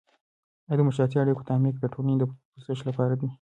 آیا د معاشرتي اړیکو تعمیق د ټولنو د پوزش لپاره دی؟